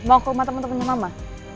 mau ke rumah temen temennya mama